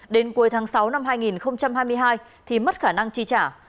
đến cuối tháng sáu năm hai nghìn hai mươi hai thì mất khả năng chi trả